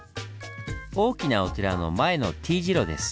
大きなお寺の前のＴ字路です。